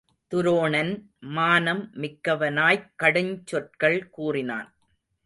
துரோணன் மானம் மிக்கவனாய்க் கடுஞ் சொற்கள் கூறினான்.